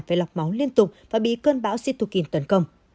phải lọc máu liên tục và bị cơn bão situkin tấn công